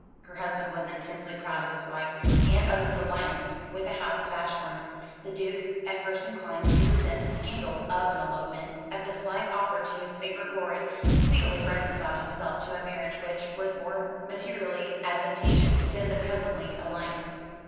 Her husband was intensely proud of his wife, and of his alliance with the house of Ashbourne. The Duke, at first inclined to resent the scandal of an elopement and the slight offered to his favourite, Rorie, speedily reconciled himself to a marriage which was more materially advantageous than the cousinly alliance.